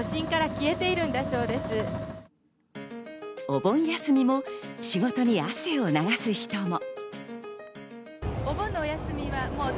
お盆休みも、仕事に汗を流す人も。